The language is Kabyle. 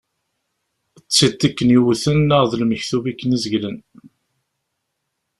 D tiṭ iken-yewten neɣ d lmektub i aken-izeglen.